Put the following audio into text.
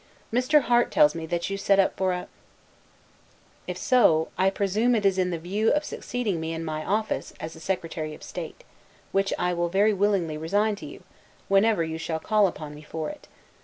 Mr. Harte tells me that you set up for a ; if so, I presume it is in the view of succeeding me in my office; [A secretary of state.] which I will very willingly resign to you, whenever you shall call upon me for it.